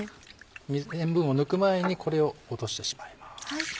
塩分を抜く前にこれを落としてしまいます。